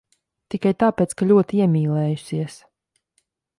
Tikai tāpēc, ka ļoti iemīlējusies.